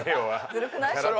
ずるくない？